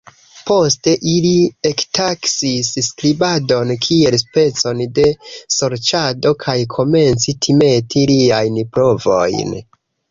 Poste, ili ektaksis skribadon kiel specon de sorĉado kaj komenci timeti liajn provojn.